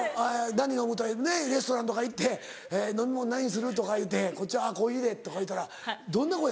何飲む？とかレストランとか言って飲み物何にする？とか言うてこっちは「あっコーヒーで」とか言うたらどんな声や？